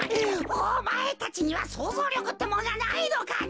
おまえたちにはそうぞうりょくってもんがないのかね。